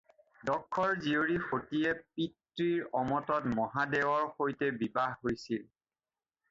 দক্ষৰ জীয়ৰী সতীয়ে পিতৃৰ অমতত মহাদেৱৰ সৈতে বিবাহ হৈছিল।